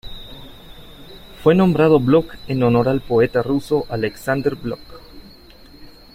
Fue nombrado Blok en honor al poeta ruso Aleksandr Blok.